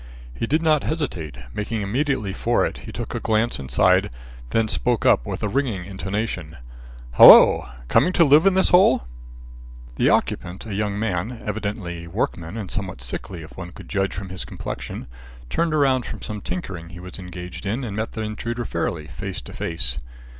He did not hesitate. Making immediately for it, he took a glance inside, then spoke up with a ringing intonation: "Halloo! coming to live in this hole?" The occupant a young man, evidently a workman and somewhat sickly if one could judge from his complexion turned around from some tinkering he was engaged in and met the intruder fairly, face to face.